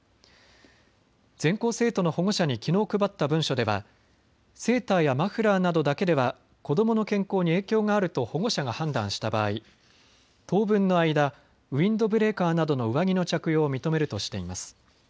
全校生徒の保護者にきのう配った文書ではセーターやマフラーなどだけでは子どもの健康に影響があると保護者が判断した場合、当分の間、ウインドブレーカーなどの上着の着用を認めるとしています。